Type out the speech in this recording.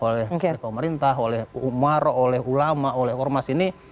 oleh pemerintah oleh umar oleh ulama oleh ormas ini